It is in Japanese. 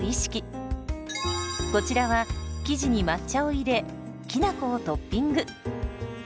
こちらは生地に抹茶を入れきなこをトッピング。